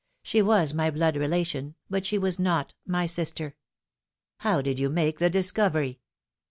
She was my blood relation, but she was not my sister." " How did you make the discovery